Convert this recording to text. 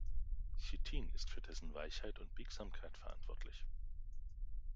Chitin ist für dessen Weichheit und Biegsamkeit verantwortlich.